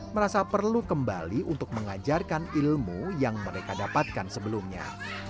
merasa perlu kembali untuk mengajarkan ilmu yang mereka dapatkan sebelumnya